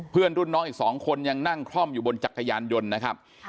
เพื่อนรุ่นน้องอีก๒คนยังนั่งคล่อมอยู่บนจักรยานยนต์นะครับ